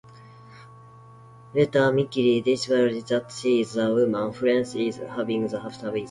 Later, Mickey discovers that she is the woman Francis is having the affair with.